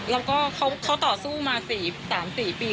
แล้วก็เขาต่อสู้มา๓๔ปี